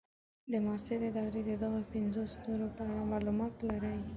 د معاصرې دورې د دغو پنځو ستورو په اړه معلومات لرئ.